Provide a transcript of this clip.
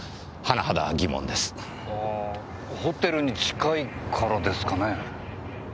あぁホテルに近いからですかね？